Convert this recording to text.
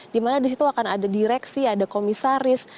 di mana di situ akan ada direksi ada komisaris